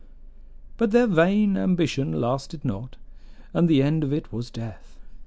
"But their vain ambition lasted not, and the end of it was death.